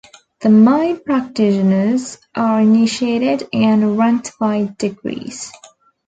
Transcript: The Mide practitioners are initiated and ranked by degrees.